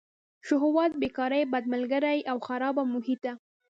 شهوت، بېکاري، بد ملګري او خرابه محیطه.